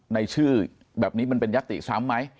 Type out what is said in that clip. ในชื่อแบบนี้มันเป็นยัตติซ้ำไหม